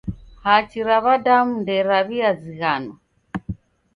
Hachi ra w'adamu nderaw'iazighanwa.